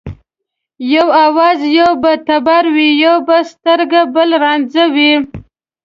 یو آواز یو به ټبر وي یو به سترګه بل رانجه وي